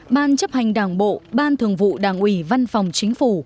ban chấp hành đảng bộ ban thường vụ đảng ủy văn phòng chính phủ